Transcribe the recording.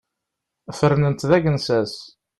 Fernen-t d agensas.